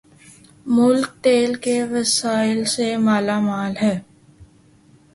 ملک تیل کے وسائل سے مالا مال ہے